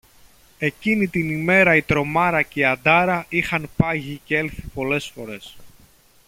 εκείνη την ημέρα η «Τρομάρα» και η «Αντάρα» είχαν πάγει κι έλθει πολλές φορές